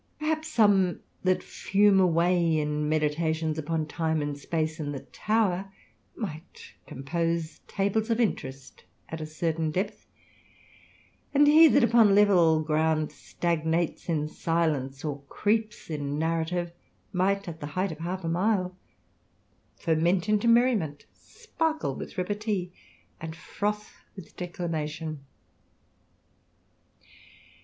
Per haps some that fume away in meditations upon time and space in the tower, might compose tables of interest at a certain depth ; and he that upon level ground stagnates in silence, or creeps in narrative, might, at the height of half a mile, ferment into merriment, sparkle with repartee, and froth with declamation.